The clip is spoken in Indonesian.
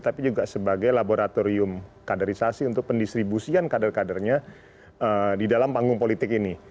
tapi juga sebagai laboratorium kaderisasi untuk pendistribusian kader kadernya di dalam panggung politik ini